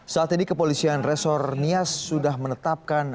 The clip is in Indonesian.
saat ini kepolisian resurnia sudah menetapkan